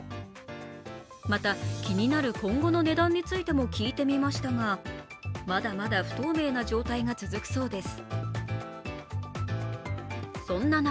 また、気になる今後の値段についても聞いてみましたがまだまだ不透明な状態が続くそうです。